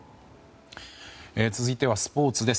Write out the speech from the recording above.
続いてはスポーツです。